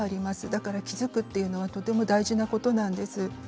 だから気付くのはとても大事なことなんです。